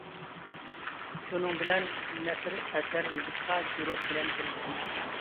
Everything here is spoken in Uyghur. شۇنىڭ بىلەن نەسرى ئەسەر يېزىشقا جۈرئەت بىلەن كىرىشتىم.